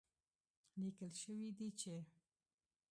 ليکل شوي دي چې